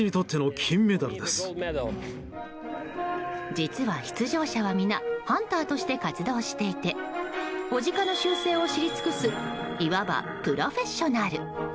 実は、出場者は皆ハンターとして活動していて雄鹿の習性を知り尽くすいわばプロフェッショナル。